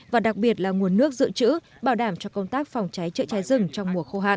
và đặc biệt là nguồn nước dự trữ bảo đảm cho công tác phòng cháy chữa cháy rừng trong mùa khô hạn